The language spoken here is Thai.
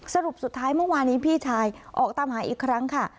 สรุปสุดท้ายเมื่อวานนี้พี่ชายออกตามหาอีกครั้งค่ะ